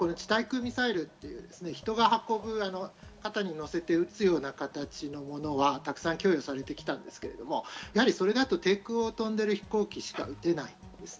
対空ミサイル、人が運ぶ、肩にのせて撃つような形のものは、たくさん供与されてきたんですけれども、やはりそれだと低空を飛んでいる飛行機しか撃てない。